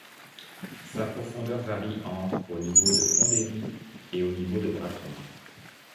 Sa profondeur varie entre au niveau de Pont-d'Héry et au niveau de Bracon.